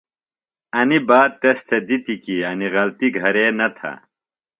انی بات تس تھےۡ دِتی کی انیۡ غلطی گہرےۡ نہ تھہ۔